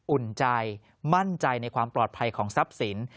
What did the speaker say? อุ่นใจมั่นใจในความปลอดภัยของทรัพย์สิน